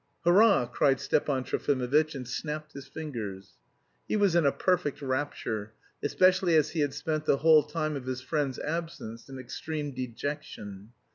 "Hurrah!" cried Stepan Trofimovitch, and snapped his fingers. He was in a perfect rapture, especially as he had spent the whole time of his friend's absence in extreme dejection.